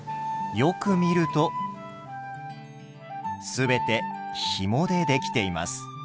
よく見ると全てひもで出来ています。